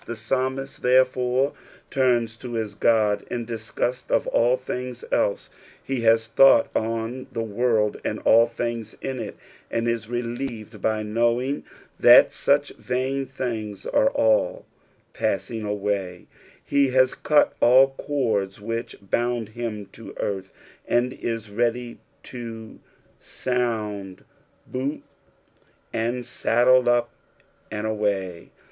Tlie psalmist, ll)erGfore, tarns to his Uod. in disgust of ail things else ; he has tluiught on the ivorld nnd all things in it, and is relieved by knowing tbat such vatn tilings are all pae^ ing away ; lie has cut all cords nhicli bound him to earili, and is Tcady (o Fnund "Boot and saddle, up and away."